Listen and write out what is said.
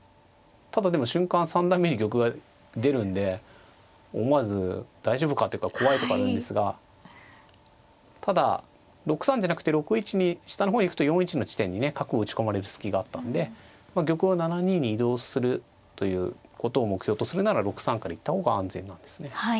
ただでも瞬間三段目に玉が出るんで思わず大丈夫かっていうか怖いとこなんですがただ６三じゃなくて６一に下の方へ行くと４一の地点にね角を打ち込まれる隙があったんで玉を７二に移動するということを目標とするなら６三から行った方が安全なんですね。